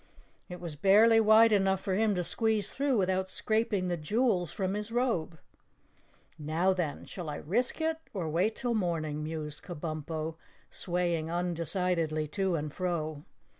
It was barely wide enough for him to squeeze through without scraping the jewels from his robe. "Now then, shall I risk it or wait till morning?" mused Kabumpo, swaying undecidedly to and fro.